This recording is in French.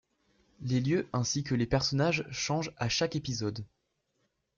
Les lieux ainsi que les personnages changent à chaque épisode.